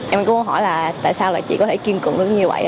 em cũng hỏi là tại sao chị có thể kiên cường được như vậy